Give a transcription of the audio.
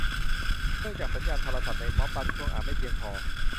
เนื่องจากสัญญาณโทรศัพท์ในม็อบบางช่วงอาจไม่เพียงพอ